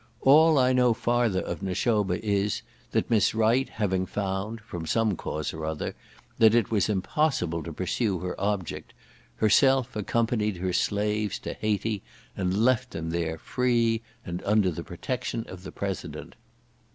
All I know farther of Nashoba is, that Miss Wright having found (from some cause or other) that it was impossible to pursue her object, herself accompanied her slaves to Hayti, and left them there, free, and under the protection of the President.